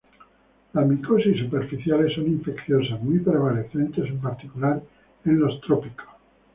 Las micosis superficiales son infecciones muy prevalentes, en particular en los trópicos.